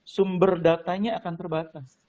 sumber datanya akan terbatas